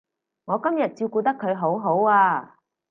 我今日照顧得佢好好啊